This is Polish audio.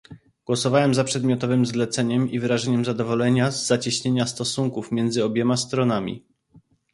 Głosowałem za przedmiotowym zaleceniem i wyrażam zadowolenie z zacieśnienia stosunków między obiema stronami